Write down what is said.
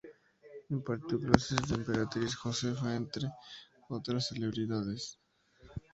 Impartió clases a la emperatriz Josefina entre otras celebridades.